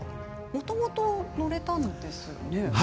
もともと乗れたんですよね？